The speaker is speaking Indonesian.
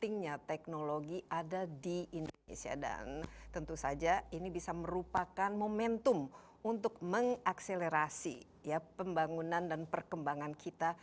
ini bisa merupakan momentum untuk mengakselerasi pembangunan dan perkembangan kita